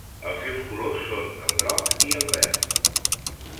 Els seus colors són el groc i el verd.